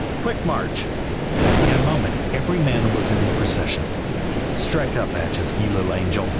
quick march!" In a moment every man was in the procession. "Strike up, Batchees, ye little angel!"